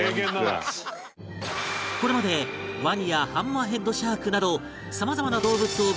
これまでワニやハンマーヘッドシャークなど様々な動物を自ら解剖し研究